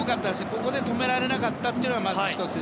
ここで止められなかったというのが１つ。